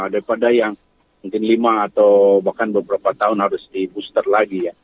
daripada yang mungkin lima atau bahkan beberapa tahun harus di booster lagi ya